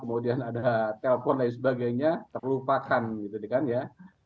kemudian ada telpon dan sebagainya terlupakan gitu kan ya